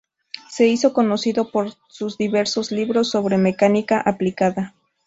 Se hizo conocido por sus diversos libros sobre mecánica aplicada.